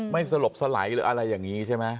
สลบสไหลหรืออะไรอย่างนี้ใช่ไหม